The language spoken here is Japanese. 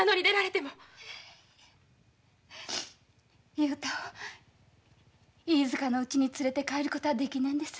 雄太を飯塚のうちに連れて帰ることはできないんです。